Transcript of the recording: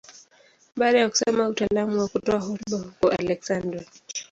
Baada ya kusoma utaalamu wa kutoa hotuba huko Aleksandria.